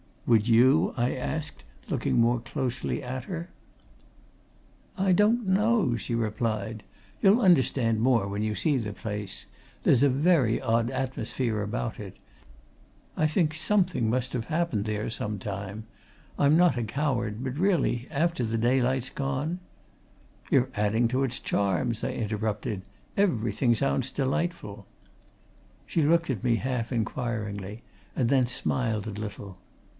"Would you?" I asked, looking more closely at her. "I don't know," she replied. "You'll understand more when you see the place. There's a very odd atmosphere about it. I think something must have happened there, some time. I'm not a coward, but, really, after the daylight's gone " "You're adding to its charms!" I interrupted. "Everything sounds delightful!" She looked at me half inquiringly, and then smiled a little.